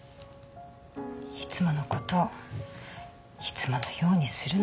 いつものことをいつものようにするの。